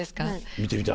見てみたい。